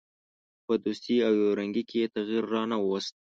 په دوستي او یو رنګي کې یې تغییر را نه ووست.